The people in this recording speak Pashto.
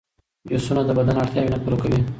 جوسونه د بدن اړتیاوې پوره نه کوي.